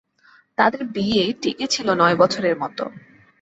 তাঁদের বিয়ে টিকেছিল নয় বছরের মতো।